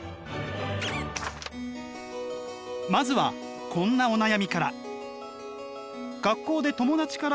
まずはこんなお悩みから。